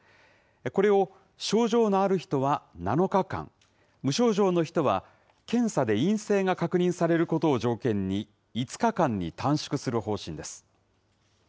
これを、症状のある人は７日間、無症状の人は検査で陰性が確認されることを条件に、５日間に短縮する方針です。